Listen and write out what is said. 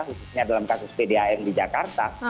khususnya dalam kasus pdam di jakarta